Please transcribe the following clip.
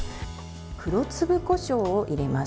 黒粒こしょうを入れます。